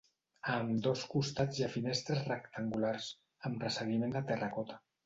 A ambdós costats hi ha finestres rectangulars, amb resseguiment de terracota.